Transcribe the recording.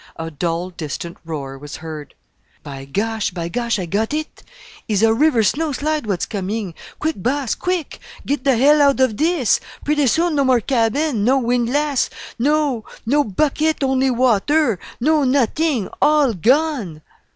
A dull distant roar was heard. "By gosh! By gosh! I got it! He's a river snow slide what's coming. Quick, boss quick! Get for hell out of dis! Pretty soon no more cabin no windlass no, no bucket, only water! No not'ing all gone!"